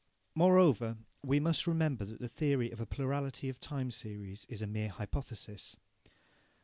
Moreover, we must remember that the theory of a plurality of time series is a mere hypothesis.